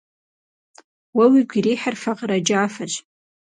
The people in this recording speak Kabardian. Уэ уигу ирихьыр факъырэ джафэщ.